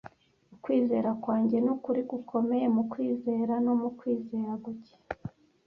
Ukwizera kwanjye nukuri gukomeye mu kwizera no mu kwizera guke,